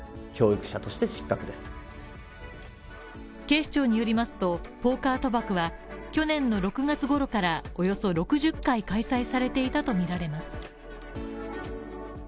警視庁によりますと、ポーカー賭博は去年の６月ごろからおよそ６０回開催されていたとみられます。